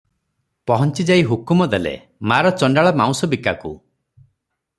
ପହଞ୍ଚିଯାଇ ହୁକୁମ ଦେଲେ, "ମାର ଚଣ୍ଡାଳ ମାଉଁସବିକାକୁ ।"